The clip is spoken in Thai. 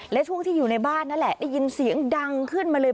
และช่วงที่อยู่ในบ้านนั่นแหละได้ยินเสียงดังขึ้นมาเลย